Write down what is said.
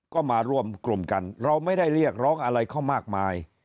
ก็มารวมกลุ่มกันเราไม่ได้เรียกร้องอะไรเขามากมาย